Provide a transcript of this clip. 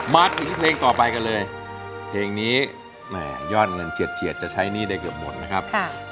มาถึงเพลงต่อไปกันเลยเพลงนี้แหม่ยอดเงินเฉียดจะใช้หนี้ได้เกือบหมดนะครับ